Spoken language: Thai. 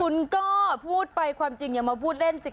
คุณก็พูดไปความจริงอย่ามาพูดเล่นสิค่ะ